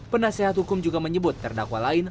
penasehat hukum juga menyebut terdakwa lain